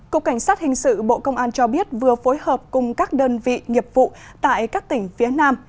cục cảnh sát hình sự bộ công an cho biết vừa phối hợp cùng các đơn vị nghiệp vụ tại các tỉnh phía nam